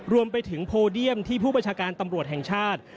รวมไปถึงโพเดียมที่ผู้ประชาการตำรวจแห่งชาติ